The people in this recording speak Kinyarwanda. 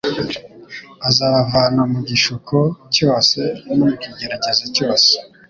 Azabavana mu gishuko cyose no mu kigeragezo cyose